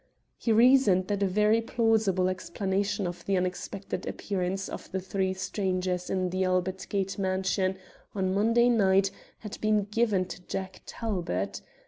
He reasoned that a very plausible explanation of the unexpected appearance of the three strangers in the Albert Gate mansion on Monday night had been given to Jack Talbot.